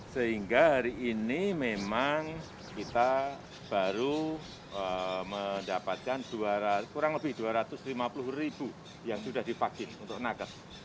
sehingga hari ini memang kita baru mendapatkan kurang lebih dua ratus lima puluh ribu yang sudah divaksin untuk nakes